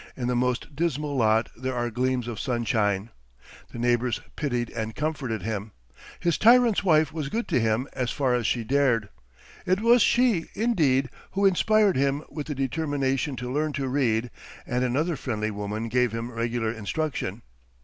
In the most dismal lot there are gleams of sunshine. The neighbors pitied and comforted him. His tyrant's wife was good to him as far as she dared. It was she, indeed, who inspired him with the determination to learn to read, and another friendly woman gave him regular instruction.